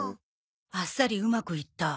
あっさりうまくいった。